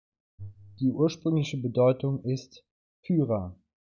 Die ursprüngliche Bedeutung ist „Führer“.